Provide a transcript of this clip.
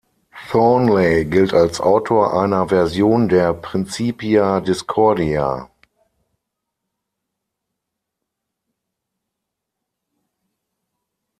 Thornley gilt als Autor einer Version der Principia Discordia.